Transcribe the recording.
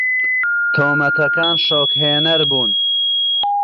تۆمەتەکان شۆکهێنەر بوون.